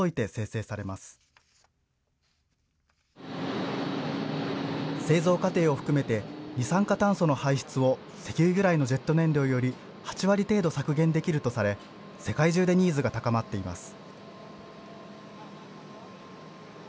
製造過程を含めて二酸化炭素の排出を石油由来のジェット燃料より８割程度、削減できるとされ世界中でニーズが高まっています。